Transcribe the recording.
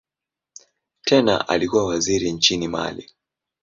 Tena alikuwa waziri nchini Mali.